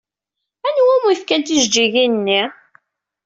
Anwa umi fkan tijeǧǧigin-nni?